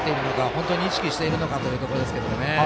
本当に意識しているのかというところですけどね。